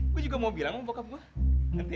gue juga mau bilang sama bokap gue nanti